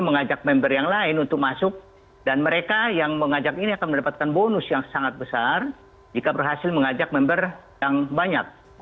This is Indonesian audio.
mengajak member yang lain untuk masuk dan mereka yang mengajak ini akan mendapatkan bonus yang sangat besar jika berhasil mengajak member yang banyak